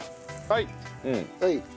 はい。